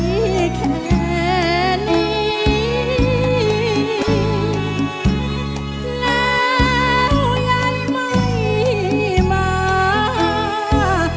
มีแค่นี้แล้วยังไม่มา